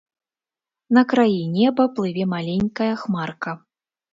На краі неба плыве маленькая хмарка.